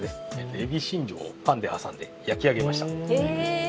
エビしんじょをパンで挟んで焼き上げました。